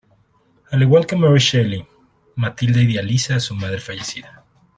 Al igual que Mary Shelley, Matilda idealiza a su madre fallecida.